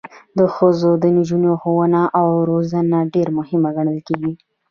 د ښځو او نجونو ښوونه او روزنه ډیره مهمه ګڼل کیږي.